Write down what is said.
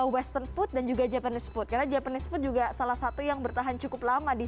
western food dan juga japanese food karena japanese food juga salah satu yang bertahan cukup lama di